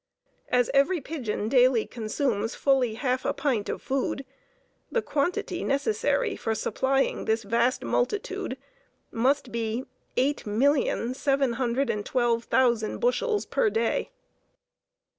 As every pigeon daily consumes fully half a pint of food, the quantity necessary for supplying this vast multitude must be eight millions, seven hundred and twelve thousand bushels per day.